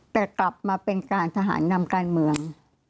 แต่กลับมาเป็นการทหารนำการเมือง